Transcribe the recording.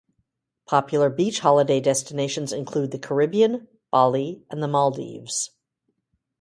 Popular beach holiday destinations include the Caribbean, Bali, and the Maldives.